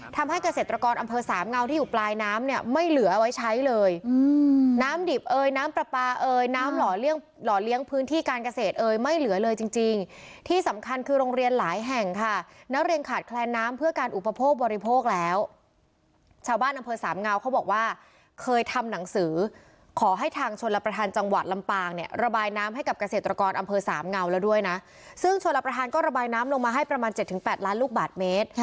ทำให้กระเศษตรกรอำเภอสามเงาที่อยู่ปลายน้ำเนี่ยไม่เหลือไว้ใช้เลย